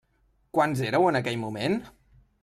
Quants éreu en aquell moment?